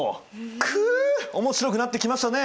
くう面白くなってきましたね。